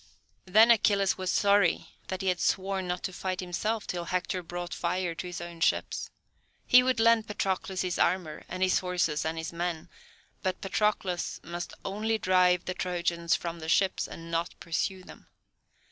Then Achilles was sorry that he had sworn not to fight himself till Hector brought fire to his own ships. He would lend Patroclus his armour, and his horses, and his men; but Patroclus must only drive the Trojans from the ships, and not pursue them.